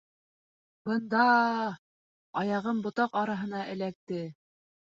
— Бында-а-а-а. Аяғым ботаҡ араһына эләкте.